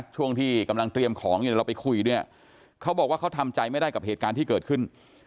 ช่วงที่กำลังเตรียมของอยู่เราไปคุยเนี่ยเขาบอกว่าเขาทำใจไม่ได้กับเหตุการณ์ที่เกิดขึ้น